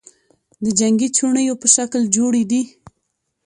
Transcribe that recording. د جنگې چوڼیو په شکل جوړي دي،